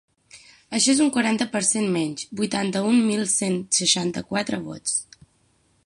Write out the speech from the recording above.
Això és un quaranta per cent menys: vuitanta-un mil cent seixanta-quatre vots.